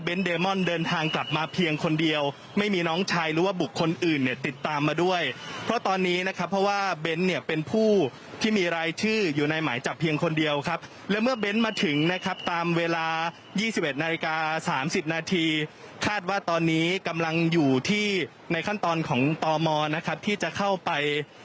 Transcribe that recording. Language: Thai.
เดมอนเดินทางกลับมาเพียงคนเดียวไม่มีน้องชายหรือว่าบุคคลอื่นเนี่ยติดตามมาด้วยเพราะตอนนี้นะครับเพราะว่าเบ้นเนี่ยเป็นผู้ที่มีรายชื่ออยู่ในหมายจับเพียงคนเดียวครับและเมื่อเบ้นมาถึงนะครับตามเวลา๒๑นาฬิกา๓๐นาทีคาดว่าตอนนี้กำลังอยู่ที่ในขั้นตอนของตมนะครับที่จะเข้าไป